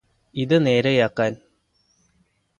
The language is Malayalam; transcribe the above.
ഇത് നേരെയാക്കാന്